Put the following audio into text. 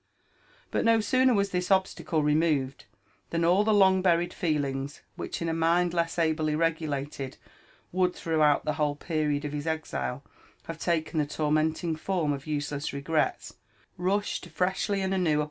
But no sooner was this obstacle removed, than all the long buried feelings, which in a mind less ably regulated would throughout the whole period of his exile have taken the tormenting form of useless regrets, rushed freshly and anew.